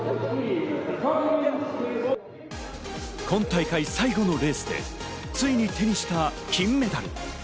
今大会最後のレースでついに手にした金メダル。